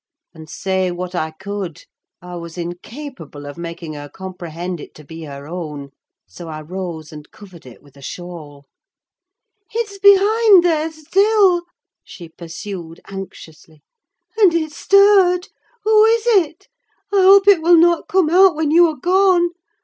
And say what I could, I was incapable of making her comprehend it to be her own; so I rose and covered it with a shawl. "It's behind there still!" she pursued, anxiously. "And it stirred. Who is it? I hope it will not come out when you are gone!